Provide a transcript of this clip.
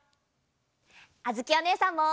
あづきおねえさんも！